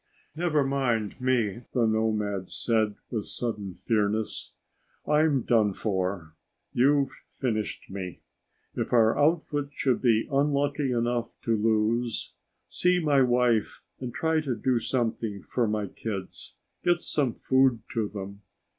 "Never mind me!" the nomad said with sudden fierceness. "I'm done for. You've finished me. If our outfit should be unlucky enough to lose, see my wife and try to do something for my kids. Get some food to them.